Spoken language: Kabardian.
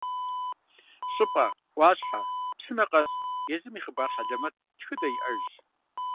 Щӏыпӏэ, ӏуащхьэ, псынэ къэс езым и хъыбар хьэлэмэт, тхыдэ иӏэжщ.